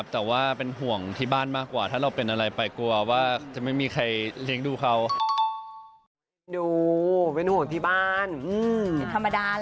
เดี๋ยวเราไปฟังเสียงกันหน่อยค่ะ